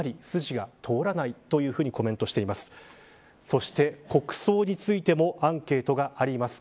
そうして、国葬についてもアンケートがあります。